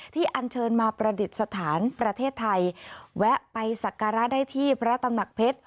อันเชิญมาประดิษฐานประเทศไทยแวะไปสักการะได้ที่พระตำหนักเพชร